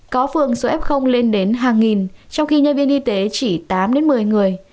có phường số f lên đến hàng nghìn trong khi nhân viên y tế chỉ tám đến một mươi người